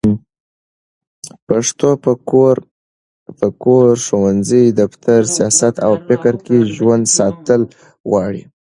پښتو په کور، ښوونځي، دفتر، سیاست او فکر کې ژوندي ساتل غواړي